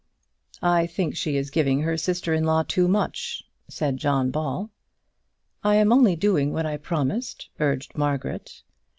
"I think she is giving her sister in law too much," said John Ball. "I am only doing what I promised," urged Margaret.